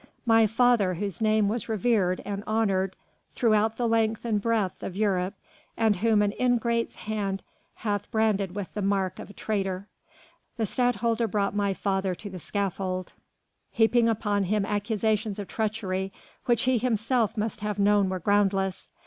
My father whose name was revered and honoured throughout the length and breadth of Europe and whom an ingrate's hand hath branded with the mark of traitor. The Stadtholder brought my father to the scaffold, heaping upon him accusations of treachery which he himself must have known were groundless.